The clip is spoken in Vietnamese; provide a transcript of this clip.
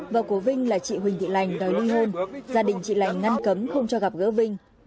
vợ của vinh là chị huỳnh thị lành đòi ly hôn gia đình chị lành ngăn cấm không cho gặp gỡ vinh